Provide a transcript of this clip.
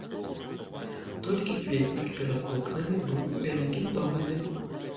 Толькі кветнік перад вокнамі быў у вялікім доглядзе.